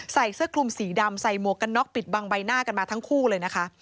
ใส่เสื้อคลุมสีดำใส่หมวกกันน็อกปิดบังใบหน้ากันมาทั้งคู่เลยนะคะ